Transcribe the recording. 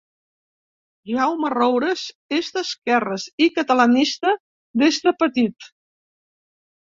Jaume Roures és d'esquerres i catalanista des de petit.